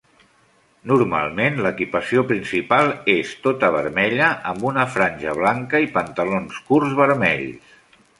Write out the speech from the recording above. Normalment l'equipació principal és tota vermella amb una franja blanca i pantalons curts vermells.